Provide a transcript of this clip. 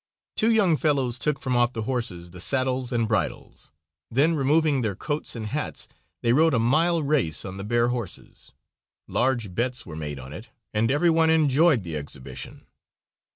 Two young fellows took from off the horses the saddles and bridles, then, removing their coats and hats, they rode a mile race on the bare horses. Large bets were made on it, and every one enjoyed the exhibition.